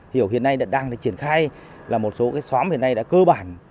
hiểu hiện nay đang triển khai là một số cái xóm hiện nay đã cơ bản